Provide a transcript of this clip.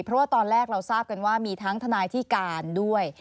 เพราะว่าตอนแรกเราทราบกันว่ามีทั้งทนายที่การด้วย